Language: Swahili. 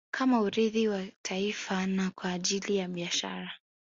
Kama urithi kwa taifa na kwa ajili ya Biashara